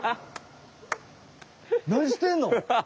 何してんの？